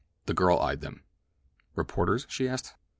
The girl eyed them. "Reporters?" she asked.